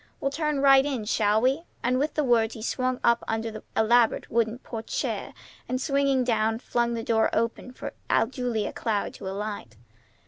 We'll turn right in, shall we?" And with the words he swept up under the elaborate wooden porte cochère, and, swinging down, flung the door open for Julia Cloud to alight.